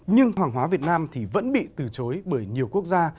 nhưng hàng hóa việt nam thì vẫn bị từ chối bởi nhiều quốc gia